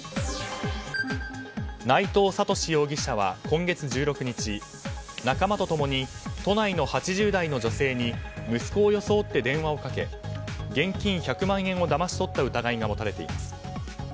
内藤智史容疑者は今月１６日仲間とともに都内の８０代の女性に息子を装って電話をかけ現金１００万円をだまし取った疑いが持たれています。